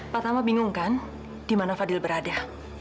pak tama bingung kan di mana fadil berada